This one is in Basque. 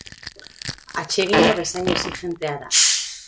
Atsegina bezain exigentea da.